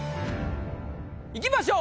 ⁉いきましょう。